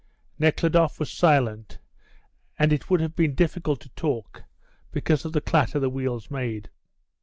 Nekhludoff was silent, and it would have been difficult to talk because of the clatter the wheels made.